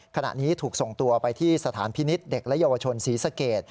ขณะนี้ถูกส่งตัวไปที่สถานพินิษฐ์เด็กและเยาวชนศรีสเกต